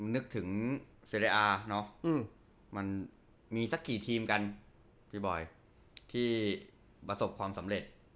นึกถึงเซเรอาร์เนาะมันมีสักกี่ทีมกันพี่บอยที่ประสบความสำเร็จ